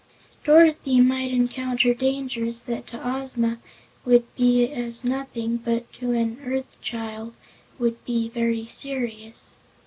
Dorothy might encounter dangers that to Ozma would be as nothing but to an "Earth child" would be very serious.